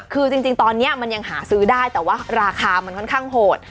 คือจริงตอนนี้มันยังหาซื้อได้แต่ว่าราคามันค่อนข้างโหด